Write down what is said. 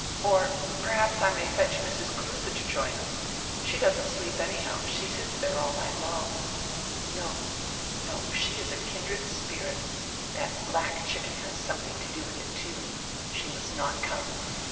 "Or perhaps I may fetch Mrs. Kruse to join us. She doesn't sleep anyhow; she sits diere all night long." "No, no, she is a kindred spirit. That black chicken has something to do with it, too. She must not come.